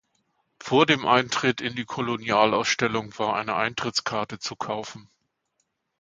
Vor dem Eintritt in die Kolonialausstellung war eine Eintrittskarte zu kaufen.